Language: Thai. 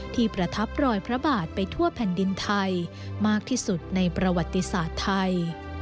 ประทับรอยพระบาทไปทั่วแผ่นดินไทยมากที่สุดในประวัติศาสตร์ไทย